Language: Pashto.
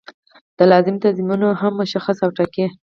دا لازم تصمیمونه هم مشخص او ټاکي.